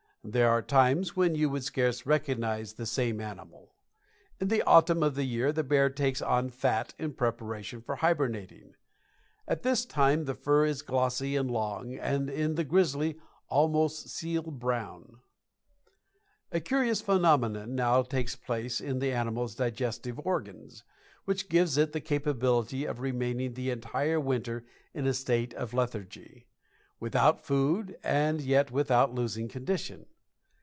There are times when you would scarce recognize the same animal. In the autumn of the year the bear takes on fat in preparation for hibernating. At this time the fur is glossy and long, and in the grizzly almost a seal brown. A curious phenomenon now takes place in the animal's digestive organs, which gives it the capability of remaining the entire winter in a state of lethargy, without food and yet without losing condition.